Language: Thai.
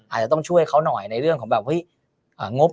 อาจจะต้องช่วยเขาหน่อยในเรื่องของ